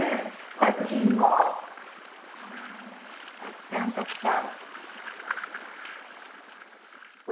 作品もたくさんたくさん。